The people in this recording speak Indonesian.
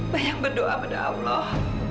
banyak berdoa pada allah